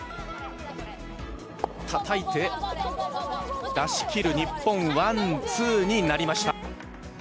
たたいて、出し切る日本、ワンツーになりました。